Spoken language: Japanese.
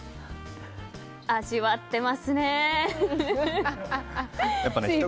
味わってますね。